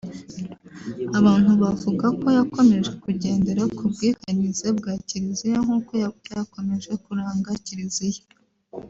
Abantu bavuga ko yakomeje kugendera ku bwikanyize bwa Kiliziya nk’uko byakomeje kuranga Kiliziya